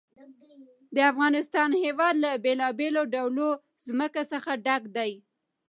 د افغانستان هېواد له بېلابېلو ډولو ځمکه څخه ډک دی.